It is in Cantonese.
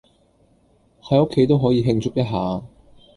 喺屋企都可以慶祝一下